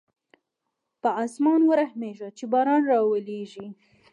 په اسمان ورحمېږه چې باران راولېږي.